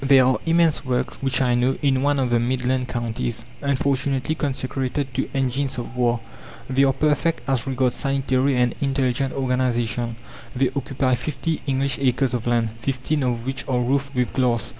There are immense works, which I know, in one of the Midland counties, unfortunately consecrated to engines of war. They are perfect as regards sanitary and intelligent organization. They occupy fifty English acres of land, fifteen of which are roofed with glass.